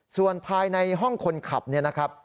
ส่วนภายในห้องคนขับเนี่ยนะครับ